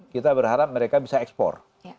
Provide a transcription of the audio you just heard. kita berharap mereka bisa ekspor